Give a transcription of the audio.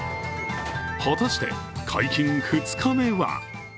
果たして解禁２日目は？